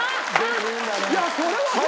いやそれはさ！